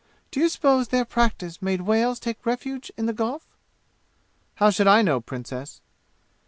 Do you suppose their practise made whales take refuge in the Gulf?" "How should I know, Princess?"